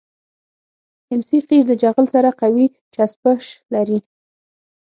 ام سي قیر د جغل سره قوي چسپش لري